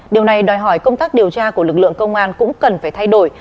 điều này đòi hỏi công tác điều tra của lực lượng công an cũng cần phải thay đổi